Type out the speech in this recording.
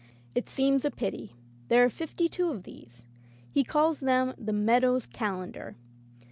"It seems a pity. There are fifty two of these. He calls them 'The Meadow's Cal endar.'